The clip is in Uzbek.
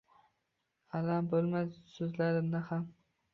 Alam bulmas suzlarimda xam